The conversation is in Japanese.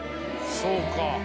そうか。